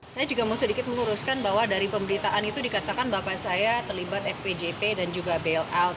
saya juga mau sedikit meluruskan bahwa dari pemberitaan itu dikatakan bapak saya terlibat fpjp dan juga bailout